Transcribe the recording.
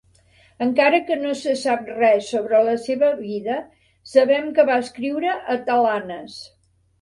Encara que no se sap res sobre la seva vida, sabem que va escriure atel·lanes.